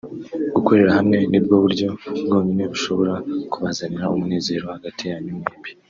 Gukorera hamwe nibwo buryo bwonyine bushobora kubazanira umunezero hagati yanyu mwembi